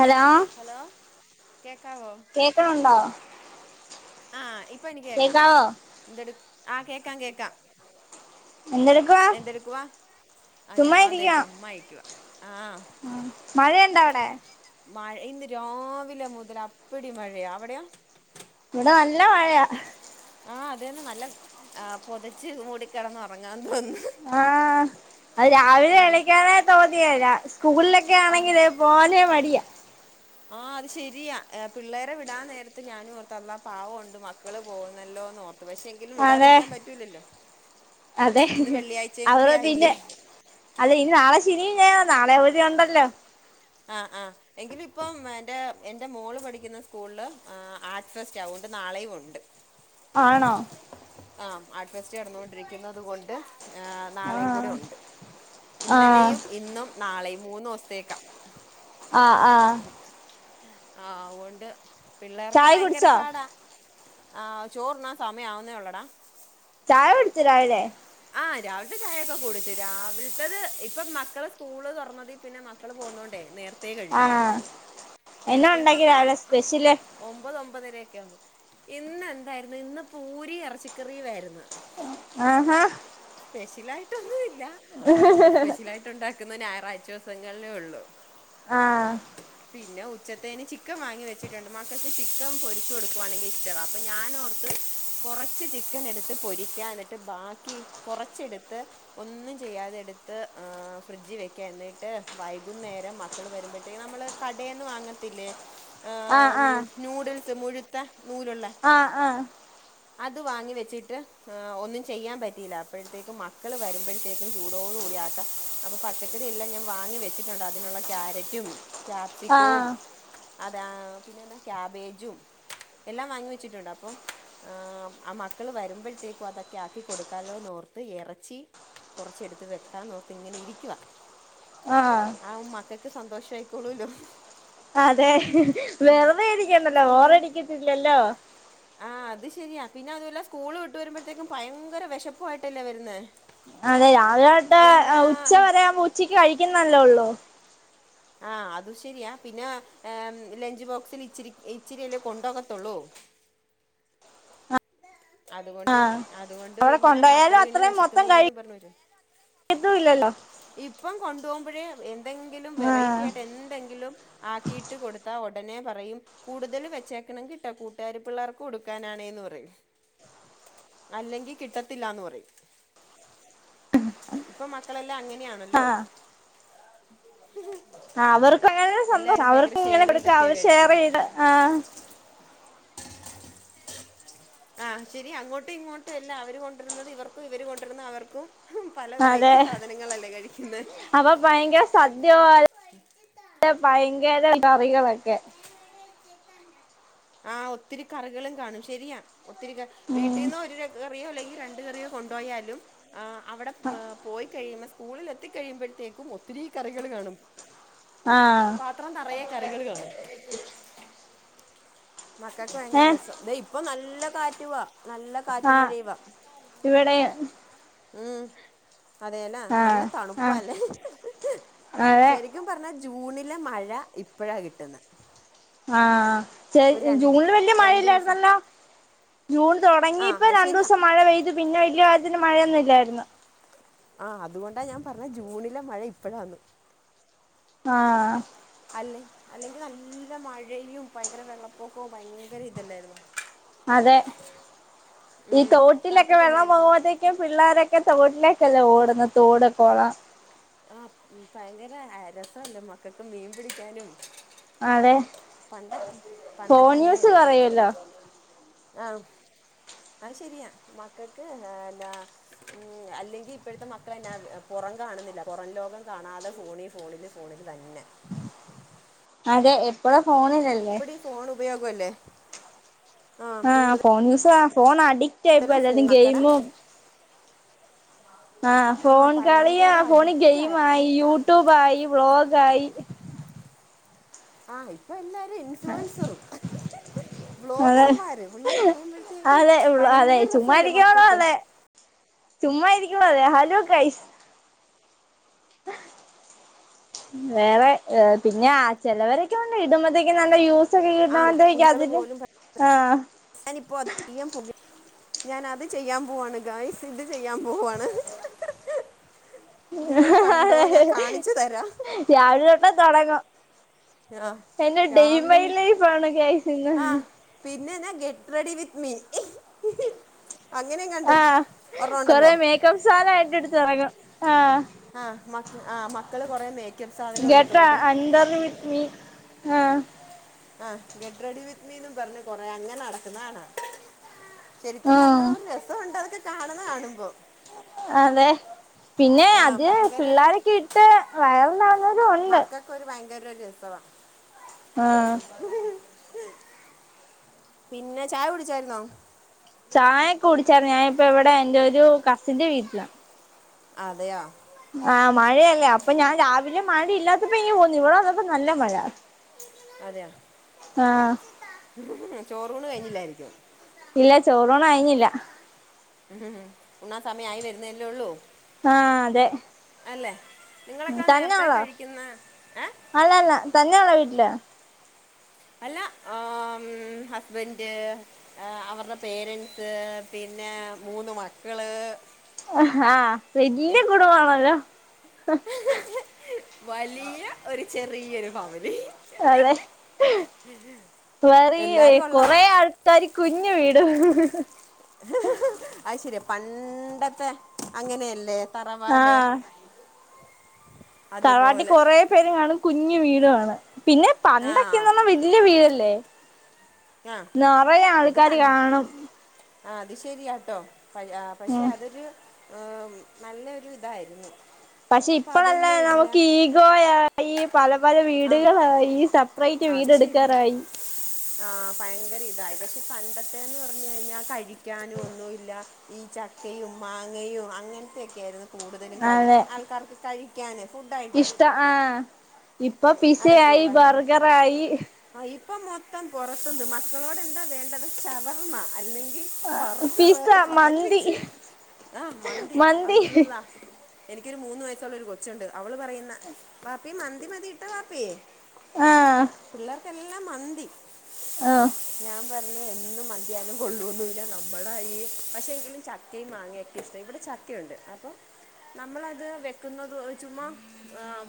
Hello hello കേക്കാവോ കേക്കണുണ്ടോ ആ ഇപ്പൊ എനിക്ക് കേക്കാം കേക്കാവോ എന്തെടു ആ കേക്കാം കേക്കാം എന്തെടുക്കുവാ എന്തെടുക്കുവാ ആ ചുമ്മാ ഞാൻ ഇതേ ചുമ്മാ ഇരിക്കുവാ ആ ഉം മഴ ഉണ്ടോ അവിടെ മഴ ഇന്ന് രാവിലെ മുതൽ അപ്പടി മഴയാണ് അവിടെയോ ഇവിടെ നല്ല മഴയാ ആ അത് തന്നെ നല്ല ആ പൊതച്ച് മൂടി കിടന്ന് ഉറങ്ങാൻ തോന്നുന്നു ആഹ് അത് രാവിലെ നല്ല എണീക്കാനെ തോന്നിയില്ല സ്കൂളിലൊക്കെ ആഹ് ആണെങ്കില് പോവാനെ മടിയാ ആഹ് അത് ശരിയാ പിള്ളേരെ വിടാൻ നേരത്ത് ഞാനും ഓർത്ത് അള്ളാ പാവൊണ്ട് മ മക്കള് പോകുന്നല്ലോന്നോർത്തു പക്ഷെ ഇന്ന് അതെ വിടാതിരിക്കാൻ പറ്റൂലല്ലോ അതെ ഇന്ന് വെള്ളിയാഴ്ചയും അവർ കൂടി ആയില്ലേ പിന്നെ അതെ ഇനി നാളെ ശനിയും ഞായറും നാളെ അവധി ഉണ്ടല്ലോ ആഹ് ആഹ് എങ്കിലും ഇപ്പം എൻ്റെ എന്റെ മോള് പഠിക്കുന്ന സ്കൂളിൽ ആർട് ഫെസ്റ്റാ അതുകൊണ്ട് നാളെയും ഉണ്ട് [inaudible] ആണോ ആഹ് ആർട്ട്ഫെസ്റ്റ് നടന്നോണ്ടിരിക്കുന്നത് കൊണ്ട് നാളെയും കൂടെ ആഹ് ഉണ്ട് ആഹ് ഇന്നലെയും ഇന്നും നാളെയും ഈ മൂന്ന് ദിവസത്തേക്കാ ആഹ് ആഹ് ആഹ് അതുകൊണ്ട് പിള്ളേർക്ക് ചായ ഭയങ്കര കുടിച്ചോ പാടാ ആ ചോറുണ്ണാൻ സമയം ആവുന്നേ ഉള്ളെടാ ചായ കുടിച്ചോ രാവിലെ ആ രാവിലത്തെ ചായയൊക്കെ കുടിച്ചു രാവിലത്തത് ഇപ്പം മക്കളെ സ്കൂള് തുറന്നതി പിന്നെ മക്കള് പോകുന്നോണ്ടേ നേരത്തെ കഴിക്കും ആഹ് എന്നാ നേരത്തെന്ന് ഉണ്ടാക്കി പറഞ്ഞാ രാവിലെ ആഹ് സ്പെഷ്യല് ഒമ്പത് ഒമ്പതര ഒക്കെ ആകുമ്പോ ഇന്ന് എന്തായിരുന്നു ഇന്ന് പൂരിയും ഇറച്ചിക്കറിയുമായിരുന്നു ആഹാ സ്പെഷ്യൽ ആയിട്ടൊന്നും ഇല്ല വല്ലോം സ്പെഷ്യലായിട്ട് ഉണ്ടാക്കുന്നത് ഞായറാഴ്ച ദിവസങ്ങളിലേ ഉള്ളൂ ആഹ് പിന്നെ ഉ ഉച്ചത്തേന് ചിക്കൻ വാങ്ങി വെച്ചിട്ടുണ് മക്കക്ക് ചിക്കൻ പൊരിച്ചു കൊടുക്കുവാണെങ്കിൽ ഇഷ്ടവാ അപ്പോം ഞാന് ഓർത്ത് കൊറച്ച് ചിക്കൻ എടുത്ത് പൊരിക്ക എന്നിട്ട് ബാക്കി കുറച്ചെടുത്ത് ഒന്നും ചെയ്യാതെടുത്ത് ആഹ് ഫ്രിഡ്ജ് വെക്ക എന്നിട്ട് വൈകുന്നേരം മ മക്കൾ വരുമ്പഴ്ത്തേ നമ്മള് കടേന്ന് വാങ്ങ ത്തില്ലേ, ആഹ് ഉം നൂഡിൽസ് മുഴുത്ത നൂലുള്ള ആഹ് ആഹ് [inaudible] അത് വാങ്ങി വെച്ചിട്ട് എഹ് ഒന്നും ചെയ്യാൻ പറ്റിയില്ല അപ്പഴ്ത്തേക്കും മക്കൾ വരുമ്പഴത്തേക്കും ചൂടോടു കൂടി ആക്കൻ. അപ്പൊ പച്ചക്കറി എല്ലാം ഞാൻ വാങ്ങി വെച്ചിട്ടുണ്ട്. അതിനുള്ള ക്യാരറ്റും, ആഹ് ക്യാപ്സിക്കവും ആഹ് അതെ ആഹ് പിന്നെന്താ ക്യാബേജും എല്ലാം വാങ്ങി വെച്ചിട്ടുണ്ട് അപ്പം. ആഹ് ആ മക്കള് വരുമ്പഴ്ത്തേക്കും അതൊക്കെ ആക്കി കൊടുക്കാലോന്ന് ഓർത്ത് എറച്ചി കൊറച്ച് എടുത്ത് വെക്കാന്നോർത്ത് ഇങ്ങനെ ഇരിക്കുവ ആഹ് അതാവുമ്പ മക്കക്ക് സന്തോഷം ആയിക്കോളൂല്ലോ അതെ വെറുതെ ഇരിക്കണ്ടല്ലോ സ്കൂൾ ബോറടിക്കത്തില്ലല്ലോ ആഹ് അത് ശെരിയാ പിന്നെ അതുവല്ല സ്കൂള് വിട്ട് വരുമ്പഴ്ത്തേക്കും ഭയങ്കര വെശപ്പുആയിട്ടല്ലേ വരുന്നെ അതെ രാവിലെട്ടെ ഉച്ച വരെയാമ്പം ഉച്ചിക്ക് കഴിക്കുന്നല്ലേ ഉള്ളൂ. ആഹ് അത് ശെരിയാ പിന്നെ ലെഞ്ച് ബോക്സിൽ ഇച്ചിരി ഇച്ചിരിയല്ലേ കൊണ്ടൊകത്തുള്ളൂ. അതുകൊണ്ട് ആഹ് അതുകൊണ്ട് അവിടെ പിന്നെ കൊണ്ടുപോയാലും മക്കള് പിന്നെ വെശക്കുന്നേന്ന് പറഞ്ഞ് വരും. എതും ഇല്ലല്ലോ. ഇപ്പം കൊണ്ടുപോകുമ്പഴേ എന്തെങ്കിലും വെറൈറ്റി ആഹ് ആയിട്ട് എന്തെങ്കിലും ആക്കിയിട്ട് കൊടുത്താ ഒടനെ പറയും കൂടുതൽ വച്ചേക്കണംകേട്ടാ കൂട്ടുകാരി പിള്ളേർക്ക് കൊടുക്കാനാണേന്ന് പറയും. അല്ലെങ്കി കിട്ടത്തില്ലാന്ന് പറയും. ഇപ്പൊ മക്കളെല്ലാം അങ്ങനെയാണല്ലോ ആഹ് ആഹ് അവർക്കെങ്ങ എല്ലാരും ഭയങ്കര ഷെയറൈയ്തൊക്കെയാ കഴിക്കുന്നെ ചെയ്ത് ആഹ് ആഹ് ശെരി അങ്ങോട്ടും ഇങ്ങോട്ടും അല്ല അവര് കൊണ്ടരുന്നത് ഇവർക്കും ഇവര് കൊണ്ടിരുന്ന അവർക്കും ഹും പല അതെ വെറൈറ്റി സാധനങ്ങളല്ലേ കഴിക്കുന്നെ അപ്പൊ ഭയങ്കര സദ്യ പോലെ ഭയങ്കര കറികളൊക്കെ ആഹ് ഒത്തിരി കറികളും കാണും ശെരിയാ ഒത്തിരി ക ഉം വീട്ടിന്ന് ഒരു ര രുകറിയോ അല്ലെങ്കി രണ്ട് കറിയോ കൊണ്ടൊയാലും ആഹ് അവ്ടെ മ് പോയി കഴിയുമ്പോ സ്കൂളിൽ എത്തിക്കഴിയുമ്പഴ്ത്തേക്കും ഒത്തിരീം കറികൾ കാണും. [inaudible] ആഹ് പാത്രം നറയെ കറികള് കാണും. മക്കക്ക് ഭയങ്കര ഏഹ് രസം ദെ ഇപ്പൊ നല്ല കാറ്റുവാ നല്ല കാറ്റും ആഹ് മഴയുവാ ഇവിടെ ഉം അതെന്നാ നല്ല ആഹ് ആഹ് തണുപ്പാല്ലേ അതെ ശെരി ക്കും പറഞ്ഞാ ജൂണിലെ മഴ ഇപ്പഴാ കിട്ടുന്നെ. ആഹ് ജെ ജ ജൂണില് വല്യ രണ്ട് ദിവസം മഴയില്ലായിരുന്നല്ലോ ജൂൺ ആ തൊടങ്ങീപ്പ അത് ശരിയാ രണ്ടുസം മഴ പെയ് ത് പിന്നെ വല്യ അതിന് മഴയൊന്നുല്ലാരുന്നു ആഹ് അതുകൊണ്ടാ ഞാൻ പറഞ്ഞെ ജൂണിലെ മഴ ഇപ്പഴാന്ന്. ആഹ് അല്ലെ അല്ലെങ്കി നല്ല മഴയും ഭയങ്കര വെള്ളപ്പൊക്കോം ഭയങ്കര ഇതല്ലാരുന്നോ. അതെ ഈ ഉം തോട്ടിലൊക്കെ കാപ്പിക്ക് വെള്ളം എന്നായിരുന്നു പൊങ്ങുമ്പത്തേ ക്കെ പിള്ളാരൊക്കെ തോട്ടിലേക്കല്ലേ ഓടുന്ന തോട് കൊളം ആഹ് ഭയങ്കര അ രസല്ലെ മക്കക്ക് മീൻ പിടിക്കാനും ആതെ പണ്ടെ പണ്ടക്കെ അങ്ങനെയാര്ന്നല്ലോ കൊറയുവല്ലോ ആഹ് അത് ശെരിയാ മക്കക്ക് എ ലാ മ് അല്ലെങ്കി ഇപ്പഴ്ത്തെ മക്കളെന്നാ പൊറം കാണ്ന്നില്ല പൊറം ലോകം കാണാതെ ഫോണി ഫോണിൽ ഫോണി തന്നെ അതെ എപ്പഴു ഫോണില്ലല്ലേ ഫോണുപയോഗല്ലേ ആഹ് ഫോൺ യൂസുവാ ഫോൺ അഡിക്റ്റാ ഫോൺ ആയിപ്പെല്ലാരും മക്കടെ ഗെയിമും ആഹ് ആ ഫോൺ കളിയാ ഭയങ്കര ഫോണി അഡിക്റ്റ് ആയ ഗെയിമായി എന്താണ് യൂടുബായി വ്ളോഗായി ആഹ് ഇപ്പൊ എല്ലാരും ഇൻഫ്ലുവൻസറും ഹ്ഹ്ഹ് അതെ വ്ലോഗർമാര് പിള്ളേര് പറയുമ്പഴ്ത്തേക്കും അതെ ഉള്ള അതെ ഭയങ്കര രസല്ലേ മക്കൾക്ക് ചുമ്മായിരിക്കുമ്പാതെ ഹലോ ഗയ്സ് വേറെ അ പിന്നെ ആ ചെലവരൊക്കെണ്ട് ഇടുമ്മേതേക്ക് നല്ല വ്യൂസ് ആ [unintelligible] കുഞ്ഞുക്കൾ അതില് പോലും ആഹ് ഞാനിപ്പോ അത് ഞാനത് ചെയ്യാം പോവാണ് ഗൈസ് ഇത് ചെയ്യാം പോവാണ് നിങ്ങള് കണ്ടോ ഞാൻ കാണിച്ച് തരാ രാവിലെ തൊട്ടേ തൊടങ്ങും ആ എന്റെ ഡെയിൻ രാവിലെ മൈലൈഫാണ് ഗയ്‌സ് ഇന്ന് പിന്നെന്നാ ഗെറ്റ് റെഡി വിത്ത് മീ അങ്ങനെയങ്ങാണ്ട് ഒർണൊണ്ടല്ലോ കംസാനായിട്ടെടുത്ത് എറങ്ങും ആഹ് ആ മക് ആ മക്കള് കൊറെ മേ ഗെറ്റ് അണ്ടർ വിത് മി ആഹ് ആഹ് ഗെഡ്റെഡി വിത്ത് മീന്നും പറഞ് കൊറേ അങ്ങനെ നടക്ക്ന്നാണാ ശെരിക്കും പറഞ്ഞാ ആഹ് ഒരു രസൊണ്ട് അതൊക്കെ കാണ്ന്നെ കാണുമ്പോ അതെ പിന്നെ ആ അത് ഭയങ്കര പിള്ളാരക്കെ ഇട്ട് വയർലാ മക്കൾക്കൊരു ഭയങ്കരൊരു രസവാ ആഹ് പിന്ന ചായ കുടിച്ചായിര്ന്നോ ചായൊക്കെ കുടിച്ചരുന്നു ഞാനിപ്പിവിടെ എന്റെ ഒരു കസിന്റെ വീട്ടിലാ അതെയാ ആഹ് മഴയല്ലേ അപ്പൊ ഞാൻ രാവിലെ മഴ ഇല്ലാത്തപ്പോ ഇങ്ങ് പോന്ന് ഇവിട വന്നപ്പോ നല്ല മഴ അതെയ ആഹ് ചോറൂണ് കഴിഞ്ഞില്ലായിരിക്കും ഇല്ല ചോറൂണ് കഴിഞ്ഞില്ല ഉണ്ണാൻ സമയായി വരുന്നല്ലേ ഉള്ളൂ ആഹ് അതെ അല്ലെ നിങ്ങളൊക്കെ നേരത്തെ തന്നെയുള്ളോ കഴിക്കുന്ന ഏ അല്ലല്ല തന്നെ ഉള്ള വീട്ടില അല്ല ആമ് ഹസ്ബൻഡ് അവര്ടെ പേരന്സ് പിന്നെ മൂന്ന് മക്കള് ആഹ് ഏ, വല്യ കുടമ്പാണല്ലോ വലിയ ഒരു ചെറിയൊരു ഫാമിലി അതെ വറി എല്ലാരും ഉള്ള കൊറേ ആൾ ൾകാരികുഞ് വീട് അത് ശരിയ പണ്ടത്തെ അങ്ങനെയല്ലേ തറവാട് തറവാട്ടി അതുപോലെ കൊറേ പേര് കാണും കുഞ് വീട് വാണ പിന്നെ ആ പണ്ടൊക്കെന്നെഞാ വെല്യ വല്യ വീടല്ലേ ആ നിറയെ ഇത് ആൾക്കാര് പൺ കാണും. ആ അത് ശരിയാട്ടോ പ ആ പക്ഷെ ഉം അതൊരു ഹേ. നല്ലൊരു ഇതായിരുന്നു പക്ഷെ ഇപ്പൊ ഇപ്പോഴല്ല അതൊന്നുമില്ല നമുക്ക് ഈഗോയായി പല പല ആഹ് വീടുകളായിഈ സ പ്രൈറ്റ് വീട് എടുക്കാറായി ആഹ ഭയങ്കര ഇതായിപക്ഷെ പണ്ടത്തെന്ന് പറഞ്ഞു കഴിഞ്ഞാൽ കഴി കഴി ക്കാനും ഒന്നുല്ല ഈ ചക്കയും മാങ്ങയും അങ്ങനത്തൊക്കെയ യിരുന്നു കൂടുതലും കഴി അതെ ആൾക്കാർക്ക് കഴിക്കാന് ഫുഡ് ആയിട്ട് ആഹ ഇപ്പൊ പിസ്സ ആയി ഉള്ളായിരുന്നു ബർഗർ ആയി ആ ഇപ്പം മൊത്തം പുറത്ത് ന്ന് മക്കളോട് എന്താ വേണ്ടത് ശവർമ്മ അല്ലെങ്കിൽ ബർഗർ പിസ്സ മന്തി സാൻവിച് ആഹ മന്ദി മന്തി അള്ളാ എനിക്കൊരു മൂന്ന് വയസ്സുള്ള ഒരു കൊച്ചുണ്ട് അവള് പറയുന്ന പാപ്പി മന്തി മതി ഇട്ട പാപ്പി ആഹ് പിള്ളേർക്കെല്ലാം മന്തി ആഹ് ഞാൻ പറഞ്ഞ എന്നും മന്തിയാലും കൊള്ളൂ ന്നില്ല നമ്മളായി പക്ഷെ എങ്കിലും ചക്കയും മാങ്ങിയൊക്കെ ഇവിടെ ചക്കയുണ്ട് അപ്പൊ നമ്മളത് വെക്കുന്നത് ചുമ്മാ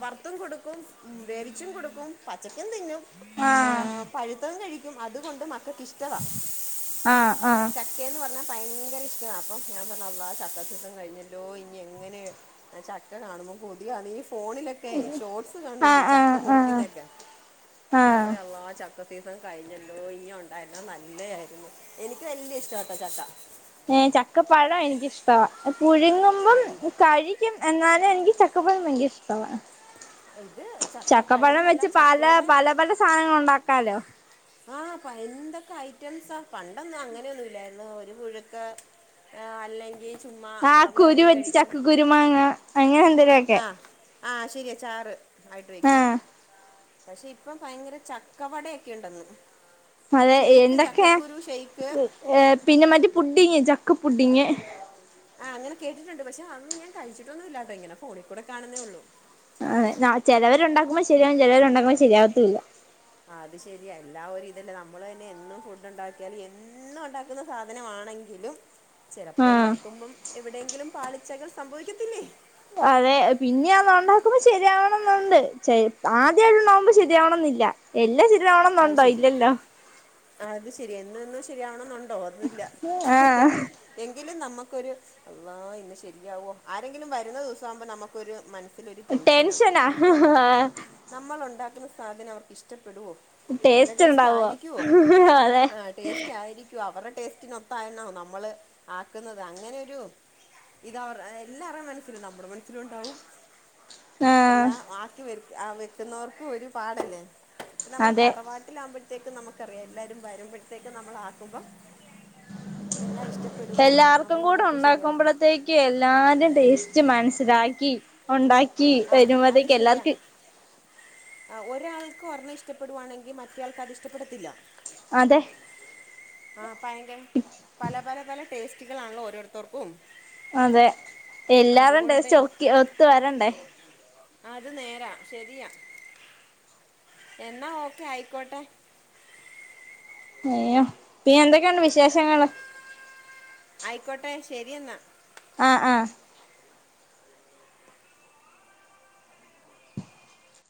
വറുത്തും കൊടുക്കും ഉ വേവിച്ചും കൊടുക്കും പച്ചക്കും തിന്നും ആഹ് പഴു- തതും കഴിക്കും അതുകൊണ്ട് മക്കൾക്കിഷ്ടവാ ആഹ് ആ ക്കന്ന് പറഞ്ഞാൽ ഭയങ്കര ഇഷ്ടാ വാ അപ്പൊ ഞാൻ പറഞ്ഞ അള്ളാ ചക്കസിസൻ കഴിഞ്ഞല്ലോ ഇനി എങ്ങനെ ആ ചക്ക കാണുമ്പോൾ കൊതിയാണ് ഈ ഫോണിലൊക്കെ ഷോർട്സ് ആഹ് കാണു ല്ലേ ചക ചക്ക ആഹ് ആഹ് മുറിക്കുന്നേക്ക ഞാൻ ആഹ് പറയും അള്ളാ ചക്കസീസൻ കഴിഞ്ഞല്ലോ ഇഞ്ഞി ഉണ്ടായിരുന്ന നല്ലതായിരുന്നു എനിക്ക് വല്യ ഇഷ്ടട്ടോ ചക്ക ഏ ചക്കപ്പഴം എനിക്കിഷ്ടവാ ആ പുഴുങ്ങുമ്പം ഇ- കഴി ഴികും എന്നാലും എനിക്ക് ചക്കപ്പയം ഭയങ്കര ഇഷ്ടമാണ് ഇത് ചക്ക പഴം ചക്കപ്പയം എന്നല്ല വെച്ച് പല ചക്കയുടെ പല പല സാധനങ്ങൾ ഉണ്ടാക്കാലോ ആഹ് എന്തൊക്കെ ഐറ്റംസാ പണ്ടൊന്നും അങ്ങനെയൊന്നുല്ലായിരുന്നു ഒരു പുഴുക്കെ ആ അല്ലെങ്കി ചുമ്മാ ആഹ് കുരു വെറുതെ വെച്ച് കഴിക്കുന്നു ചക്ക കുരുമാങ്ങ അങ്ങനെ എന്തേലുവൊക്കെ ആഹ് ആ ശരിയ ചാറ് ആയിട്ട് വെക്കും ആഹ് പക്ഷെ ഇപ്പ ഭയങ്കര ചക്കവടയൊക്കെ ഉണ്ടന്നു അതെ എന്തൊക്കെ ഷെയ്ക്ക് ഏഹ് പിന്നെ മറ്റ പുഡിങ് ചക്ക പുഡിങ് ആ അങ്ങനെ കേട്ടിട്ടുണ്ട് പക്ഷെ കഴിച്ചിട്ടൊന്നും ഇല്ലാട്ടോ ഇങ്ങനെ ഫോണിൽ കൂടെ കാണുന്നേ ഉള്ളൂ അ ചിലവരുണ്ടാക്കുമ്പോ ശരിയാകും ചിലവരുണ്ടാക്കുമ്പോ ശരിയാവത്തുല്ല അത് ശരി എല്ലാവരു ഇതല്ലേ നമ്മള് തന്നെ എന്നും ഫുഡ് ഉണ്ടാക്കിയാലും എന്നും ഉണ്ടാക്കുന്ന സാധനമാണെ തിലും ചെലപ്പ ആഹ് ഉണ്ടാക്കുബം എവിടെയെങ്കിലും പാളിച്ചകൾ സംഭവിക്കത്തില്ലേ പഴേ പിന്നെ അതൊണ്ടാക്കുമ്പ ശരിയാവണന്നുണ്ട് ആദ്യമായിട്ട് ഉണ്ടകുമ്പോ ശരിയാവണന്നില്ല എല്ലാം ശരിരാവണം അത് ഏന്നുണ്ടോ ശരിയാ ഇല്ലല്ലോ അത് ശരി എന്നന്നും ശരിയാവണെന്നുണ്ടോ എന്നില്ല ആഹ് എങ്കിലും നമുക്കൊരു അള്ളാഇന്ന് ശെരിയാവോ ആരെങ്കിലും വരുന്ന ദിവസം ആവുമ്പോൾ നമുക്കൊരു മന ടെൻഷനാ ആഹ് നമ്മളുണ്ടാക്കുന്ന സാധനം അവർക്ക് ഇഷ്ടപ്പെടോ നല്ല ടേസ്റ്റ് ആയിരിക്കുവോ അതെ ആ ടേസ്റ്റ് ആയിരിക്കും അവരുടെ ടേസ്റ്റിനൊത്തായിണോ നമ്മള് ആക്കുന്നത് അങ്ങനെയൊരു ഇത അവർ എല്ലാരുടെ മനസ്സിലും ഉണ്ടാവും നമ്മുടെ മനസ്സിലും ഇണ്ടാവും ആഹ് എല്ലാം ആക്കി വെ ആ വെക്കുന്നവർക്കും ഒരു പാടല്ലേ നമ്മൾ അതെ വാട്ടിലാവകുമ്പോഴത്തേക്ക് നമക്കറിയാം എല്ലാവാരും വരുമ്പോഴത്തേക്കും നമ്മൾ ആക്കുമ്പം എല്ലാം ഇഷ്ടപ്പെടുവോ നമ്മൾ ഉണ്ടാക്കിയ ശരിയാ ക് എല്ലാരും ടേസ്റ്റ് മനസ്സിലാക്കി ഉണ്ടാക്കി ആ അത് വരുമ്പത്തേക്ക് ശരിയാ എല്ലാർക്കും ഒരാൾക്ക് ഒരണ്ണം ഇഷ്ടപ്പെടുവാണെങ്കി മറ്റേ ആൾക്ക് അതിഷ്ട്ടപ്പെടത്തില്ല അതെ ആഹ് പയങ്കര പല പല പല ടേസ്റ്റുകളാണല്ലോ ഓരോരുത്തർക്കും അതെ എല്ലാര്ടേം അതുകൊണ്ട് ടേസ്റ്റ് ഒത്ത് വരണ്ടെ അത് നേരാ ശെരിയാ എന്നാ ഓക്കെ ആയിക്കോട്ടെ അയ്യോ പിന്നെന്തൊക്കെണ്ട് വിശേഷങ്ങൾ ആയിക്കോട്ടെ ശെരി എന്നാ ആഹ് ആഹ്